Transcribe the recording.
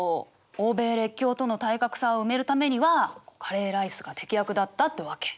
欧米列強との体格差を埋めるためにはカレーライスが適役だったってわけ。